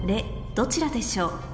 どちらでしょう？